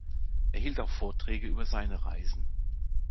Er hielt auch Vorträge über seine Reisen.